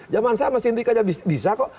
zaman saya masih indik aja bisa kok